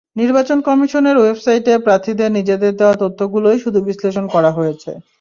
নির্বাচন কমিশনের ওয়েবসাইটে প্রার্থীদের নিজেদের দেওয়া তথ্যগুলোই শুধু বিশ্লেষণ করা হয়েছে।